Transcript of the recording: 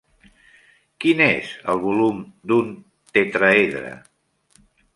Quin és el volum d'un tetraedre?